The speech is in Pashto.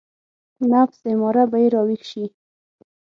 نفس اماره به يې راويښ شي.